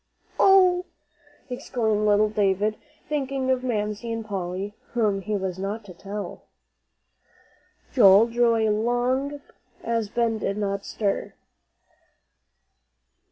"Oh!" exclaimed little David, thinking of Mamsie and Polly whom he was not to tell. Joel drew a long breath, as Ben did not stir.